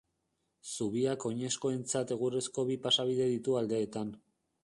Zubiak oinezkoentzat egurrezko bi pasabide ditu aldeetan.